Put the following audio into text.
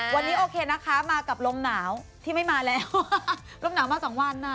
วันนี้โอเคนะคะมากับลมหนาวที่ไม่มาแล้วลมหนาวมาสองวันนะ